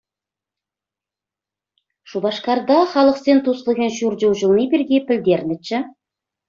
Шупашкарта Халӑхсен туслӑхӗн ҫурчӗ уҫӑлни пирки пӗлтернӗччӗ.